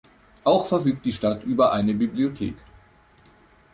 Auch verfügt die Stadt über eine Bibliothek.